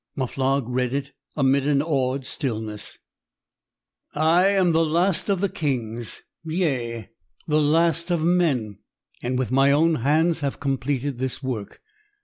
Muflog read it amid an awed stillness: "I am the last of the kings yea, the last of men, and with my own hands have completed this work.